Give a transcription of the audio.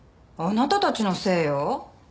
あなたたちのせいよ。